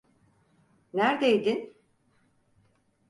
Nerdeydin?